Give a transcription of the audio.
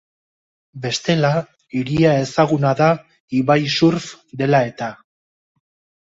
Bestela, hiria ezaguna da ibai-surf dela-eta.